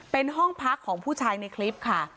เป็นห้องพักของผู้ชายในคลิปค่ะ